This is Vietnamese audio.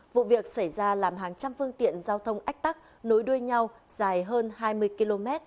vụ việc xảy ra làm hàng trăm phương tiện giao thông ách tắc nối đuôi nhau dài hơn hai mươi km